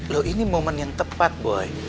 loh ini momen yang tepat boy